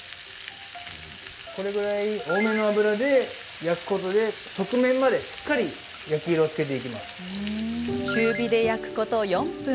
これぐらい多めの油で焼くことで側面までしっかり焼き色をつけていきます。